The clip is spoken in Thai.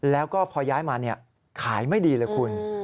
แล้วก็พอย้ายมาขายไม่ดีเลยคุณ